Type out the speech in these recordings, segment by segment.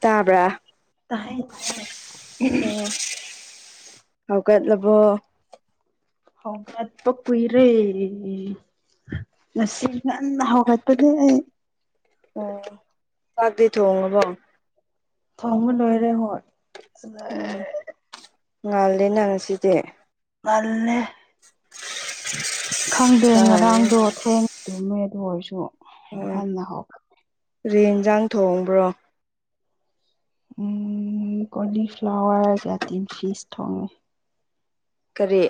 ꯇꯥꯕ꯭ꯔꯥ [unintelligible] ꯍꯧꯒꯠꯂꯕꯣ ꯍꯧꯒꯠꯄ ꯀꯨꯏꯔꯦ ꯉꯁꯤ ꯉꯟꯅ ꯍꯧꯒꯠꯄꯅꯦ ꯑꯩ ꯑꯣ ꯆꯥꯛꯗꯤ ꯊꯣꯡꯉꯕꯣ ꯊꯣꯡꯕ ꯂꯣꯏꯔꯦ ꯍꯣꯏ ꯎꯝ ꯑꯗ ꯉꯜꯂꯦꯅ ꯉꯁꯤꯗꯤ ꯉꯜꯂꯦ [inaudible] ꯈꯪꯗꯦ ꯊꯣꯡꯉꯦ ꯉꯔꯥꯡꯗꯣ ꯊꯦꯡꯅ ꯇꯨꯝꯃꯦ ꯑꯗꯨ ꯑꯣꯏꯔꯁꯨ ꯑꯣ ꯉꯟꯅ ꯍꯧꯒꯠ ꯀ꯭ꯔꯤ ꯍꯦꯟꯖꯥꯡ ꯊꯣꯡꯕ꯭ꯔꯣ ꯎꯝ ꯀꯣꯂꯤꯐ꯭ꯂꯥꯋꯔꯒ ꯇꯤꯟ ꯐꯤꯁ ꯊꯣꯡꯉꯦ ꯀꯔꯤ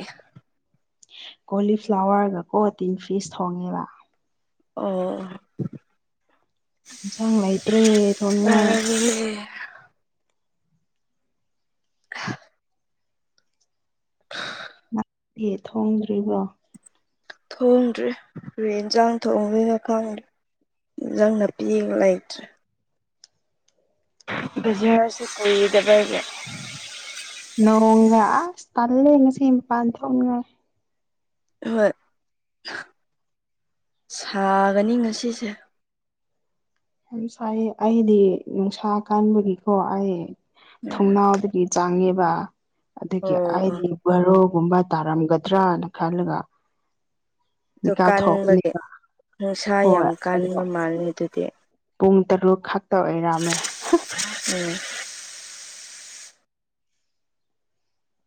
ꯀꯣꯂꯤ ꯐ꯭ꯂꯥꯋꯔꯒ ꯀꯣ ꯇꯤꯟ ꯐꯤꯁ ꯊꯣꯡꯉꯦꯕ ꯑꯣ ꯏꯟꯁꯥꯡ ꯂꯩꯇ꯭ꯔꯦ ꯊꯣꯡꯅꯤꯡꯉꯥꯏ [unintelligible] [inaudible] [unintelligible] ꯀꯔꯤ ꯊꯣꯡꯗ꯭ꯔꯤꯕꯣ ꯊꯣꯡꯗ꯭ꯔꯤ ꯔꯦ ꯍꯦꯟꯁꯥꯡ ꯊꯣꯡꯗꯣꯏꯅꯣ ꯈꯪꯗ꯭ꯔꯦ ꯅꯪꯅ ꯄꯤꯕ ꯂꯩꯇ꯭ꯔꯦ ꯕꯖꯥꯔꯁꯨ ꯀꯣꯏꯗꯕꯒꯤ ꯅꯣꯡꯂꯥ ꯑꯁ ꯇꯜꯂꯦ ꯉꯁꯤ ꯃꯄꯥꯟ ꯊꯣꯛꯂꯔꯣꯏ ꯍꯣꯏ ꯁꯥꯒꯅꯤ ꯉꯁꯤꯁꯦ ꯌꯥꯝ ꯁꯥꯏ ꯑꯩꯗꯤ ꯅꯨꯡꯁꯥ ꯀꯟꯕꯒꯤꯀꯣ ꯑꯩ ꯎꯝ ꯊꯣꯡꯅꯥꯎꯗꯒꯤ ꯆꯪꯉꯦꯕ ꯑꯣ ꯑꯗꯨꯒꯤ ꯑꯣ ꯑꯩꯗꯤ ꯕꯥꯔꯣꯒꯨꯝꯕ ꯇꯥꯔꯝꯒꯗ꯭ꯔꯅ ꯈꯜꯂꯒ ꯑꯗꯨ ꯃꯤꯀꯥꯞ ꯀꯟꯕꯒꯤ ꯊꯣꯛꯄꯅꯦꯕ ꯅꯨꯡꯁꯥ ꯌꯥꯝ ꯍꯣꯏ ꯑꯗꯨꯒ ꯀꯟꯕ ꯃꯥꯜꯂꯤꯗꯨꯗꯤ ꯄꯨꯡ ꯇꯔꯨꯛ ꯈꯛꯇ ꯑꯣꯏꯔꯝꯃꯦ ꯎꯝ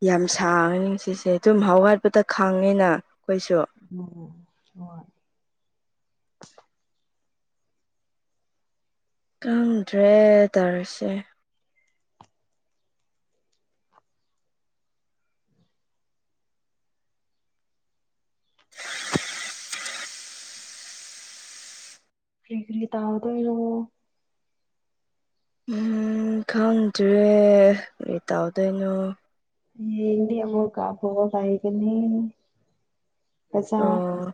ꯌꯥꯝ ꯁꯥꯡꯉꯅꯤ ꯉꯁꯤꯁꯦ ꯇꯨꯝ ꯍꯧꯒꯠꯄꯗ ꯈꯪꯉꯤꯅ ꯈꯣꯏꯁꯨ ꯎꯝ ꯍꯣꯏ ꯈꯪꯗ꯭ꯔꯦ ꯇꯧꯔꯤꯁꯦ ꯐꯤꯒꯔꯤ ꯇꯥꯎꯗꯣꯏꯔꯣ ꯎꯝ ꯈꯪꯗ꯭ꯔꯦ ꯀꯔꯤ ꯇꯧꯗꯣꯏꯅꯣ ꯍꯌꯦꯡꯗꯤ ꯑꯃꯨꯛ [unintelligible] ꯒꯅꯤ ꯆꯥꯛ ꯆꯥꯔꯦ ꯑꯣ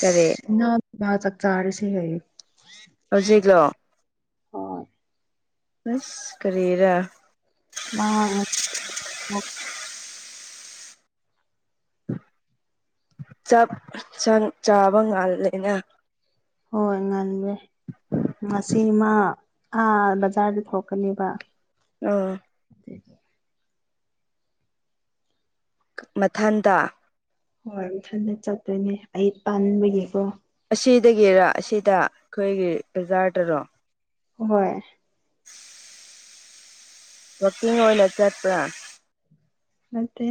ꯀꯔꯤ ꯏꯃꯥ ꯕꯥꯕꯥ ꯆꯥꯛ ꯆꯥꯔꯁꯦ ꯍꯥꯢꯌꯦ ꯍꯧꯖꯤꯛꯂꯣ ꯍꯣꯏ ꯑꯁ ꯀꯔꯤꯔ ꯃꯥ [unintelligible] ꯆꯥꯛ ꯁꯪ ꯆꯥꯕ ꯉꯥꯜꯂꯦꯅ ꯍꯣꯜ ꯉꯟꯔꯦ ꯉꯁꯤ ꯃ ꯑꯥ ꯕꯖꯥꯔꯗ ꯊꯣꯛꯀꯅꯦꯕ ꯑꯥ ꯑꯗꯨꯒꯤ ꯃꯊꯟꯇ ꯍꯣꯢ ꯃꯊꯟꯗ ꯆꯠꯇꯣꯢꯅꯦ ꯑꯩ ꯇꯥꯟꯕꯒꯤꯀꯣ ꯑꯁꯤꯗꯒꯤꯔ ꯑꯁꯤꯗ ꯑꯩꯈꯣꯢꯒꯤ ꯕꯖꯥꯔꯗꯔꯣ ꯍꯣꯢ [inaudible] ꯋꯥꯛꯀꯤꯡ ꯑꯣꯢꯅ ꯆꯠꯄ꯭ꯔꯥ ꯅꯠꯇꯦ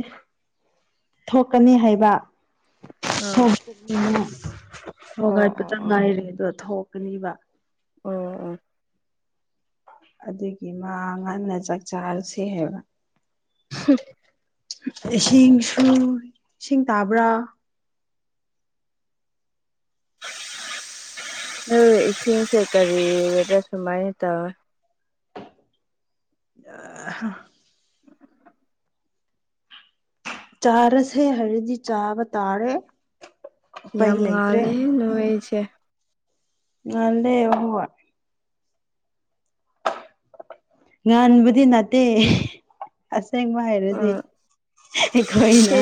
ꯊꯣꯛꯀꯅꯤ ꯍꯥꯢꯕ [unintelligible] ꯑꯥ ꯎꯝ ꯑꯣ ꯑꯣ ꯍꯧꯒꯠꯄꯇ ꯑꯣ ꯉꯥꯢꯔꯦ ꯑꯗꯣ ꯊꯣꯡꯀꯅꯤꯕ ꯑꯣ ꯑꯣ ꯑꯗꯨꯒꯤ ꯃꯥ ꯉꯟꯅ ꯆꯥꯛ ꯆꯥꯔꯁꯦ ꯍꯥꯢꯕ ꯍꯝ ꯏꯁꯤꯡ ꯁꯨ ꯏꯁꯤꯡ ꯇꯥꯕ꯭ꯔꯥ ꯎꯝ ꯏꯁꯤꯡ ꯁꯦ ꯀꯔꯤꯌꯦꯒꯦ ꯁꯨꯃꯥꯢꯅ ꯇꯧꯋꯦ ꯑꯥ ꯍꯥ ꯆꯥꯔꯁꯦ ꯍꯥꯢꯔꯗꯤ ꯆꯥꯕ ꯇꯥꯔꯦ꯫ ꯎꯄꯩ ꯌꯥꯝ ꯂꯩꯇ꯭ꯔꯦ ꯉꯥꯜꯂꯦꯍꯦ ꯅꯣꯢꯁꯦ꯫ ꯉꯜꯂꯦ ꯍꯣꯢ꯫ ꯉꯟꯕꯗꯤ ꯅꯠꯇꯦ ꯑꯁꯦꯡꯕ, ꯍꯥꯢꯔꯗꯤ ꯎꯝ ꯑꯩꯈꯣꯢꯅ꯫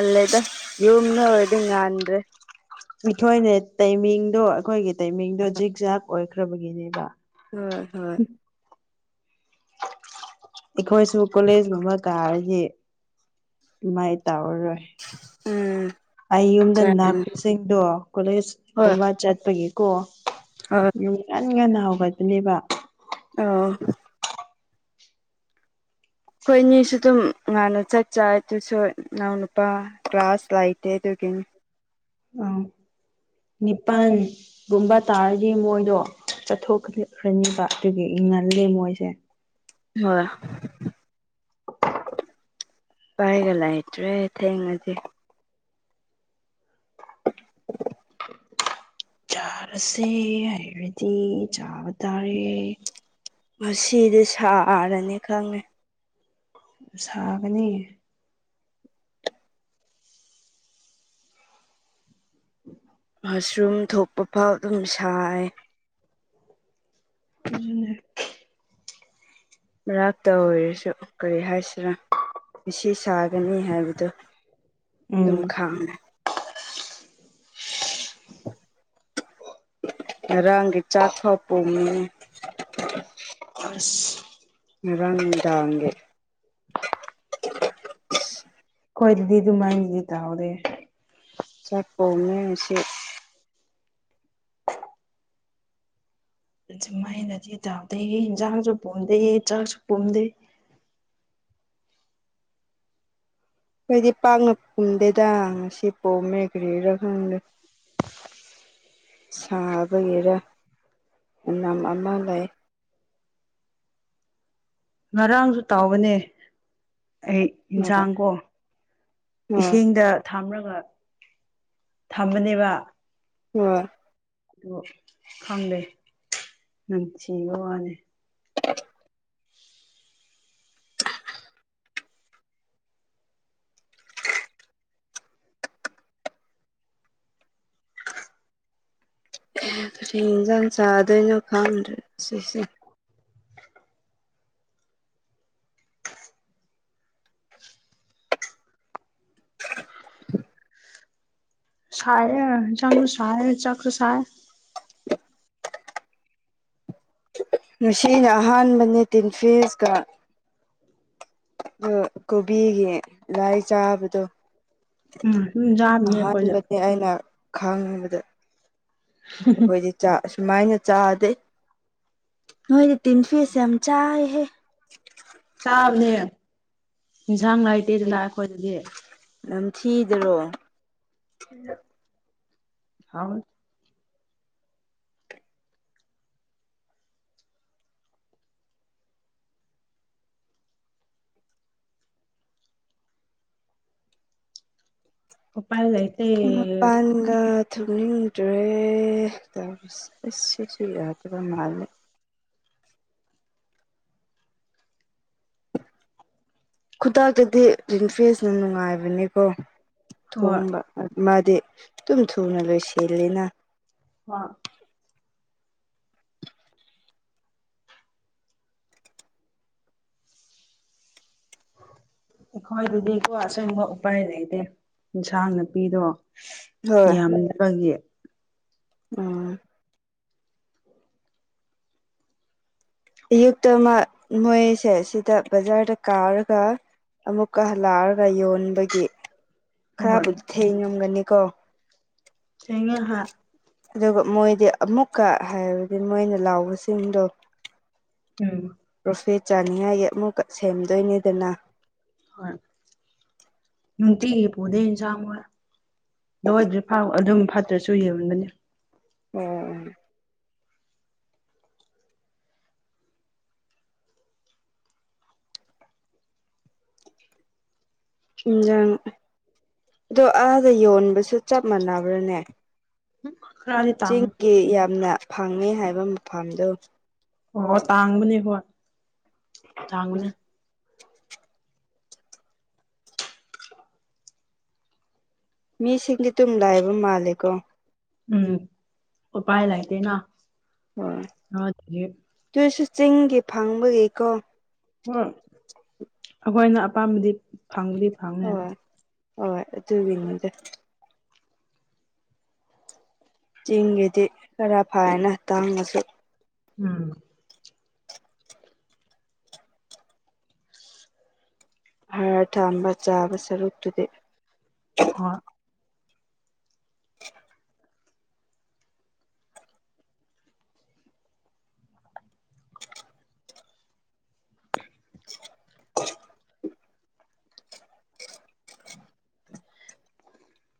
ꯉꯜꯂꯦꯗ꯫ ꯌꯨꯝꯗ ꯑꯣꯢꯔꯗꯤ ꯉꯥꯟꯗ꯭ꯔꯦ꯫ ꯑꯩꯈꯣꯢꯅꯦ ꯇꯥꯢꯃꯤꯡꯗꯣ ꯑꯩꯈꯣꯢꯒꯤ ꯇꯥꯢꯃꯤꯡꯗꯣ ꯖꯤꯛ ꯖꯥꯛ ꯑꯣꯢꯈ꯭ꯔꯕꯒꯤꯅꯦꯕ꯫ ꯍꯣꯢ ꯍꯣꯢ꯫ ꯑꯩꯈꯣꯢꯁꯨ ꯀꯣꯜꯂꯦꯖ ꯒꯨꯝꯕ ꯀꯥꯔꯗꯤ, ꯑꯗꯨꯃꯥꯢ ꯇꯥꯎꯔꯔꯣꯢ꯫ ꯎꯝ ꯑꯩ ꯌꯨꯝꯗ ꯆꯥꯔꯅꯤ ꯅꯥꯛꯄꯁꯤꯡꯗꯣ ꯀꯣꯜꯂꯦꯖ ꯀꯨꯝꯕ ꯆꯠꯄꯒꯤꯀꯣ꯫ ꯑꯥ ꯌꯨꯝ ꯉꯟ ꯉꯟꯅ ꯍꯧꯒꯠꯄꯅꯦꯕ꯫ ꯑꯣ ꯑꯩꯈꯣꯢꯅꯤꯁꯨ ꯑꯗꯨꯝ ꯉꯥꯟꯅ ꯆꯥꯛ ꯆꯥꯢ ꯑꯗꯨꯁꯨ ꯏꯅꯥꯎ ꯅꯨꯄꯥ ꯀ꯭ꯂꯥꯁ ꯂꯩꯇꯦ ꯑꯗꯨꯒꯤꯅꯤ꯫ ꯅꯤꯄꯥꯥꯟ, ꯒꯨꯝꯕ ꯇꯥꯔꯗꯤ ꯃꯣꯢꯗꯣ ꯆꯠꯊꯣꯛꯈ꯭ꯔꯅꯤꯕ ꯑꯗꯨꯒꯤ ꯉꯜꯂꯦ ꯃꯣꯢꯁꯦ꯫ [unintelligible] ꯎꯄꯥꯢꯒ ꯂꯩꯇ꯭ꯔꯦ ꯊꯦꯡꯉꯗꯤ꯫ ꯆꯥꯔꯁꯤ ꯍꯥꯏꯔꯗꯤ ꯆꯥꯕ ꯇꯥꯔꯦ꯫ ꯉꯁꯤꯗꯤ ꯁꯥꯔꯅꯤ ꯈꯪꯉꯦ꯫ ꯁꯥꯒꯅꯤ꯫ [inaudible] ꯃꯁꯔꯨꯝ ꯊꯣꯛꯄ ꯐꯥꯎ ꯑꯗꯨꯝ ꯁꯥꯏ꯫ ꯑꯗꯨꯅꯦ꯫ ꯃꯔꯛꯇ ꯑꯣꯏꯔꯁꯨ ꯀꯔꯤ ꯍꯥꯏꯁꯤꯔꯥ꯫ ꯃꯁꯤ ꯁꯥꯒꯅꯤ ꯍꯥꯏꯕꯗꯨ ꯑꯗꯨꯝ ꯎꯝ ꯈꯪꯉꯦ꯫ ꯉꯔꯥꯡꯒꯤ ꯆꯥꯛꯐꯥꯎ ꯄꯨꯝꯃꯦ꯫ ꯑꯁ ꯉꯔꯥꯡ ꯅꯨꯡꯗꯥꯡꯒꯤ꯫ ꯈꯣꯏꯗꯗꯤ ꯗꯨꯃꯥꯏꯅꯗꯤ ꯇꯧꯗꯦ꯫ ꯆꯥꯛ ꯄꯨꯝꯃꯦ ꯉꯁꯤ꯫ ꯑꯗꯨ ꯃꯥꯢꯅꯗꯤ ꯇꯧꯗꯦ ꯏꯟꯖꯥꯡꯁꯨ ꯄꯨꯝꯗꯦ ꯆꯥꯛꯁꯨ ꯄꯨꯝꯗꯦ꯫ ꯈꯣꯢꯗꯤ ꯄꯥꯛꯅ ꯄꯨꯝꯗꯦꯗ ꯉꯁꯤ ꯄꯨꯝꯃꯦ ꯀꯔꯤꯒꯤꯔ ꯈꯪꯗꯦ꯫ ꯁꯥꯕꯒꯤꯔ ꯄꯨꯝꯅꯝ ꯑꯃ ꯂꯩ꯫ ꯉꯔꯥꯡꯁꯨ ꯇꯧꯕꯅꯦ ꯑꯩ꯫ ꯍꯣꯏ ꯏꯟꯖꯥꯡꯀꯣ ꯍꯣꯏ ꯏꯁꯤꯡꯗ, ꯊꯝꯔꯒ ꯊꯝꯕꯅꯦꯕ꯫ [unintelligible] ꯑꯗꯨ ꯈꯪꯗꯦ ꯅꯝꯊꯤꯕꯥ ꯋꯥꯅꯦ꯫ ꯀꯔꯤ ꯏꯟꯁꯥꯡ ꯆꯥꯗꯣꯏꯅꯣ ꯈꯪꯗ꯭ꯔꯦ ꯁꯤꯁꯦ꯫ [inaudible] ꯁꯥꯏꯌꯦ ꯏꯟꯁꯥꯡꯁꯨ ꯁꯥꯏ ꯆꯥꯛꯁꯨ ꯁꯥꯏ ꯉꯁꯤꯅ ꯑꯍꯥꯟꯕꯅꯦ ꯇꯤꯟꯐꯤꯁꯀꯥ ꯗꯣ ꯀꯣꯕꯤꯒꯤ ꯂꯥꯏ ꯆꯥꯕꯗꯣ ꯎꯝ ꯁꯨꯝ ꯆꯥꯕꯅꯦ ꯑꯈꯣꯏꯁꯨ ꯑꯦ ꯑꯩꯅ ꯈꯪꯕꯗ ꯑꯈꯣꯏꯗꯤ ꯆꯥꯥꯛ ꯑꯁꯨꯃꯥꯏꯅ ꯆꯥꯗꯦ ꯅꯣꯏꯗꯤ ꯇꯤꯟꯐꯤꯁ ꯌꯥꯝ ꯆꯥꯏꯍꯦ ꯆꯥꯕꯅꯦ ꯏꯟꯁꯥꯡ ꯂꯩꯇꯦꯗꯅ ꯑꯈꯣꯏꯗꯗꯤ ꯅꯝꯊꯤꯗꯔꯣ ꯍꯥꯎ ꯎꯄꯥꯥꯏ ꯂꯩꯥ ꯃꯄꯥꯟꯒ ꯊꯨꯡꯅꯤꯡ ꯗ꯭ꯔꯦ ꯇꯧꯔꯤꯁꯦ ꯁꯤꯁꯨ ꯌꯥꯗꯕ ꯃꯥꯂꯦ ꯈꯨꯗꯛꯇꯗꯤ ꯇꯤꯟꯐꯤꯁꯅ ꯅꯨꯡꯉꯥꯏꯕꯅꯦꯀꯣ ꯍꯣꯏ ꯊꯣꯡꯕ ꯃꯥꯗꯤ ꯇꯨꯝ ꯊꯨꯅ ꯂꯣꯏꯁꯤꯜꯂꯤꯅ ꯍꯥ ꯑꯈꯣꯏꯗꯗꯤꯀꯣ ꯑꯁꯦꯡꯕ ꯎꯄꯥꯏ ꯂꯩꯇꯦ ꯏꯟꯁꯥꯡ ꯅꯥꯄꯤꯗꯣ ꯍꯣꯏ ꯌꯥꯝꯗꯕꯒꯤ ꯑꯥ ꯑꯌꯨꯛꯇ ꯑꯃ ꯃꯣꯏꯁꯦ ꯁꯤꯗ ꯕꯖꯥꯔꯗ ꯀꯥꯔꯒ ꯑꯃꯨꯛꯀ ꯍꯜꯂꯛꯑꯒ ꯌꯣꯟꯕꯒꯤ ꯍꯣꯏ ꯈꯔꯕꯨꯗꯤ ꯊꯦꯡꯉꯝꯒꯅꯤ ꯀꯣ ꯁꯦꯡꯉꯦ ꯍꯥꯥ ꯑꯗꯨꯒ ꯃꯣꯏꯗꯤ ꯑꯃꯨꯛꯀ ꯍꯥꯏꯕꯗꯤ ꯃꯣꯏꯅ ꯂꯥꯎꯕꯁꯤꯡꯗꯣ ꯎꯝ ꯔꯣꯐꯦꯠ ꯆꯥꯅꯤꯉꯥꯏꯒꯤ ꯑꯃꯨꯛꯀ ꯁꯦꯝꯗꯣꯏꯅꯤꯗꯅ ꯍꯣꯏ ꯅꯨꯡꯇꯤꯒꯤ ꯄꯨꯗꯦ ꯏꯟꯁꯥꯡ ꯃꯣꯏ ꯂꯣꯏꯗꯔꯤꯐꯥꯎ ꯑꯗꯨꯝ ꯐꯠꯇ꯭ꯔꯁꯨ ꯌꯣꯟꯕꯅꯤ ꯑꯣ ꯑꯣ ꯏꯟꯖꯥꯡ ꯗꯣ ꯑꯥꯗ ꯌꯣꯟꯕꯁꯨ ꯆꯞ ꯃꯥꯟꯅꯕ꯭ꯔꯅꯦ ꯈꯔꯗꯤ ꯇꯥꯡ ꯆꯤꯡꯒꯤ ꯌꯥꯝꯅ ꯐꯪꯉꯦ ꯍꯥꯏꯕ ꯃꯐꯝꯗꯨ ꯑꯣ ꯇꯥꯡꯕꯅꯦ ꯍꯣꯏ ꯇꯥꯡꯕꯅꯦ ꯃꯤꯁꯤꯡꯗꯤ ꯇꯨꯝ ꯂꯥꯛꯏꯕ ꯃꯥꯜꯂꯦꯀꯣ ꯎꯝ ꯎꯄꯥꯏ ꯂꯩꯥꯇꯦꯅ ꯍꯣꯏ ꯇꯨꯏꯁꯨ ꯆꯤꯡꯒꯤ ꯐꯪꯕꯒꯤꯀꯣ ꯍꯣꯏ ꯑꯩꯈꯣꯏꯅ ꯑꯄꯥꯝꯕꯗꯤ ꯐꯪꯕꯗꯤ ꯐꯪꯅꯦ ꯍꯣꯏ ꯍꯣꯏ ꯑꯗꯨꯒꯤꯅꯤꯗ ꯆꯤꯡꯒꯤꯗꯤ ꯈꯔ ꯐꯥꯏꯅ ꯇꯥꯡꯉꯁꯨ ꯎꯝ ꯍꯥꯔ ꯊꯝꯕ ꯆꯥꯕ ꯁꯔꯨꯛꯇꯨꯗꯤ ꯍꯣꯏ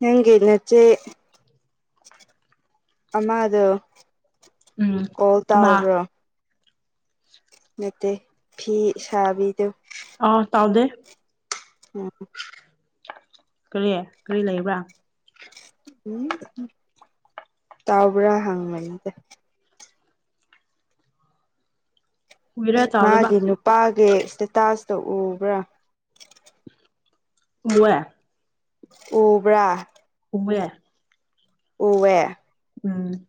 ꯅꯪꯒꯤ ꯅꯆꯦ ꯑꯃꯗꯣ ꯎꯝ ꯀꯣꯜ ꯑꯃ ꯇꯥꯎꯕ꯭ꯔꯣ ꯅꯠꯇꯦ ꯐꯤ ꯁꯥꯕꯤꯗꯣ ꯑꯣ ꯇꯥꯎꯗꯦ ꯎꯝ ꯀꯔꯤ ꯀ꯭ꯔꯤ ꯂꯩꯕ꯭ꯔꯥ ꯎꯝ ꯇꯥꯎꯕ꯭ꯔꯥ ꯍꯪꯕꯅꯤꯗ ꯀꯨꯏꯔꯦ ꯇꯥꯎꯗꯕ ꯃꯥꯒꯤ ꯅꯨꯄꯥꯒꯤ ꯏꯁꯇꯦꯇꯥꯁꯇꯣ ꯎꯕ꯭ꯔꯥ ꯎꯋꯦ ꯎꯕ꯭ꯔꯥ ꯎꯋꯦ [unintelligible] ꯎꯋꯦ ꯎꯝ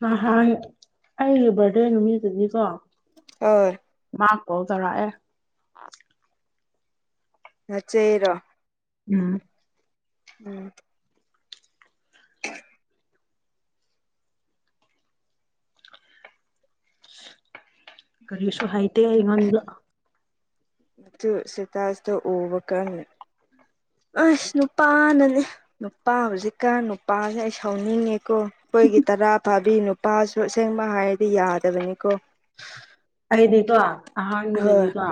ꯅꯍꯥꯟ ꯑꯩꯒꯤ ꯕꯥꯔꯗꯦ ꯅꯨꯃꯤꯠꯇꯨꯗꯤꯀꯣ ꯑꯥ ꯃꯥ ꯀꯣꯜ ꯇꯧꯔꯛꯑꯦ ꯅꯆꯦꯔꯣ ꯎꯝ ꯎꯝ [inaudible] ꯀꯔꯤꯁꯨ ꯍꯥꯏꯇꯦ ꯑꯩꯉꯣꯟꯗ ꯁꯤꯇꯥꯁꯇ ꯎꯕ ꯀꯟꯅꯤ ꯑꯁ ꯅꯨꯄꯥꯅꯅꯤ ꯅꯨꯄꯥ ꯍꯧꯖꯤꯛꯀꯥꯟ ꯅꯨꯄꯥꯁꯦ ꯑꯩ ꯁꯥꯎꯅꯤꯡꯉꯦꯀꯣ ꯑꯩꯈꯣꯏꯒꯤ ꯇꯔꯥ ꯐꯥꯕꯤ ꯅꯨ ꯄꯥꯁꯨ ꯑꯁꯦꯡꯕ ꯍꯥꯏꯔꯗꯤ ꯌꯥꯗꯕꯅꯤꯀꯣ ꯑꯩꯗꯤꯀꯣ ꯍꯣꯏ ꯑꯍꯥꯟꯕꯗꯗꯤꯀꯣ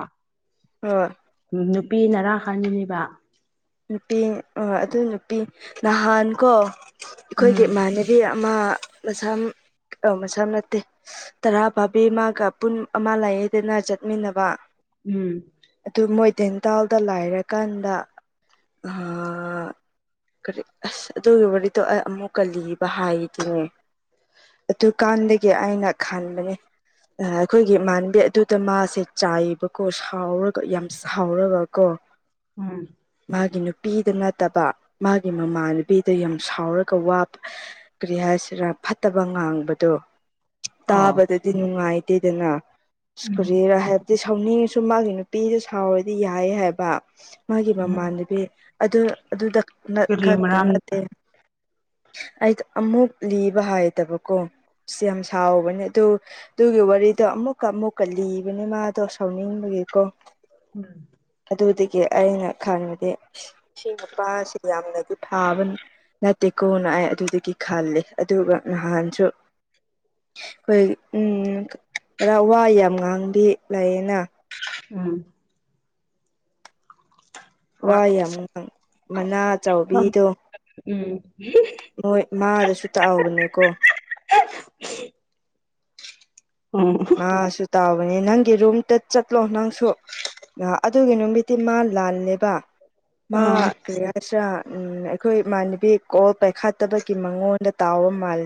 ꯍꯣꯏ ꯎꯝ ꯅꯨꯄꯤ ꯅꯔꯥ ꯍꯥꯡꯉꯤꯅꯤꯕ ꯅꯨꯄꯤ ꯑꯗꯨ ꯅꯨꯄꯤ ꯅꯍꯥꯟ ꯀꯣ ꯑꯩꯈꯣꯏꯒꯤ ꯎꯝ ꯏꯃꯥꯟꯅ ꯅꯨꯄꯤ ꯑꯃ ꯃꯁꯥꯝ ꯃꯁꯥꯝ ꯅꯠꯇꯦ ꯇꯔꯥ ꯐꯥꯕꯤ ꯃꯥꯒ ꯄꯨꯟ ꯑꯃ ꯂꯥꯏꯑꯦꯗꯅ ꯆꯠꯃꯤꯟꯅꯕ ꯎꯝ ꯑꯗꯨ ꯃꯣꯏ ꯗꯦꯟ ꯇꯦꯜꯗ ꯂꯥꯏꯔꯀꯥꯟꯗ ꯑ ꯀꯔꯤ ꯑꯁ ꯑꯗꯨꯒꯤ ꯋꯥꯔꯤꯗꯣ ꯑꯃꯨꯛꯀ ꯂꯤꯕ ꯍꯥꯏꯗꯨꯅꯦ ꯑꯗꯨꯀꯥꯟꯗꯒꯤ ꯑꯩꯅ ꯈꯟꯕꯅꯤ ꯑꯩꯈꯣꯏꯒꯤ ꯏꯃꯥꯟꯕꯤ ꯑꯗꯨꯗ ꯃꯥꯁꯦ ꯆꯥꯏꯌꯦꯕꯀꯣ ꯁꯥꯎꯔꯒ ꯌꯥꯝ ꯁꯥꯎꯔꯒ ꯀꯣ ꯎꯝ ꯃꯥꯒꯤ ꯅꯨꯄꯤꯗ ꯅꯠꯇꯕ ꯃꯥꯒꯤ ꯃꯃꯥꯟꯅꯕꯤꯗ ꯌꯥꯝ ꯁꯥꯎꯔꯒ ꯋꯥꯕ ꯀ꯭ꯔꯤ ꯍꯥꯏꯁꯤꯔ ꯐꯠꯇꯕ ꯉꯥꯡꯕꯗꯣ ꯑꯣ ꯇꯥꯕꯗꯗꯤ ꯅꯨꯡꯉꯥꯏꯇꯦꯗꯅ ꯑꯁ ꯎꯝ ꯀꯔꯤꯔ ꯍꯥꯏ ꯑ ꯁꯥꯎꯅꯤꯡꯉꯁꯨ ꯃꯥꯒꯤ ꯅꯨꯄꯤꯗ ꯁꯥꯎꯔꯗꯤ ꯌꯥꯏ ꯍꯥꯏꯕ ꯃꯥꯒꯤ ꯃꯃꯥꯟ ꯎꯝ ꯑꯗꯨ ꯑꯗꯨꯗ ꯅꯠ ꯀꯔꯤ ꯈꯛꯇ ꯃꯔꯝ ꯅꯠꯇꯦ [inaudible] ꯑꯩꯗꯣ ꯑꯃꯨꯛ ꯂꯤꯕ ꯍꯥꯏꯗꯕꯀꯣ ꯁꯤ ꯌꯥꯝ ꯁꯥꯎꯕꯅꯦ ꯑꯗꯨ ꯑꯗꯨꯒꯤ ꯋꯥꯔꯤꯗꯣ ꯑꯃꯨꯛꯀ ꯑꯃꯨꯛꯀ ꯂꯤꯕꯅꯤ ꯃꯥꯗꯣ ꯁꯥꯎꯅꯤꯡꯕꯒꯤꯀꯣ [inaudible] ꯑꯗꯨꯗꯒꯤ ꯑꯩꯅ ꯈꯟꯕꯗꯤ ꯁꯤ ꯅꯨꯄꯥꯁꯤ ꯌꯥꯝꯅꯗꯤ ꯐꯥꯕꯅꯤ ꯅꯠꯇꯦꯀꯣꯅ ꯑꯩ ꯑꯗꯨꯗꯒꯤ ꯈꯜꯂꯦ ꯑꯗꯨꯒ ꯅꯍꯥꯟꯁꯨ ꯍꯣꯏ ꯎꯝ ꯈꯔ ꯋꯥ ꯌꯥꯝ ꯉꯥꯡꯗꯤ ꯂꯩꯌꯦꯅ ꯎꯝ ꯋꯥ ꯍꯣꯏ ꯌꯥꯝ ꯃꯅꯥ ꯆꯥꯎꯕꯤꯗꯣ ꯎꯝ ꯃꯣꯏ ꯃꯥꯗꯁꯨ ꯇꯥꯛꯎꯕꯅꯦꯀꯣ ꯎꯝ ꯃꯥꯁꯨ ꯇꯥꯎꯕꯅꯦ ꯅꯪꯒꯤ ꯔꯨꯝꯇ ꯆꯠꯂꯣ ꯅꯪꯁꯨ꯫ ꯑꯗꯨꯒꯤ ꯅꯨꯃꯤꯠꯇꯤ ꯃꯥ ꯂꯥꯜꯂꯦꯕ ꯃꯥ ꯑꯣ ꯀ꯭ꯔꯤ ꯍꯥꯏꯁꯤꯔꯥ ꯎꯝ ꯑꯩꯈꯣꯏ ꯏꯃꯥꯟꯅꯕꯤ ꯀꯣꯜ ꯄꯥꯏꯈꯠꯇꯕꯒꯤ ꯃꯉꯣꯟꯗ ꯇꯥꯎꯕ ꯃꯥꯜꯂꯦ꯫